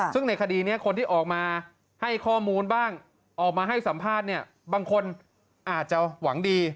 ซึ่งในคดีนี้คนที่ออกมาให้ข้อมูลบ้างออกมาให้สัมภาษณ์เนี่ยบางคนอาจจะหวังดี